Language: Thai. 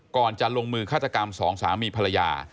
ก่อนจะลงมือฆาตกรรมสองสามีภรรยา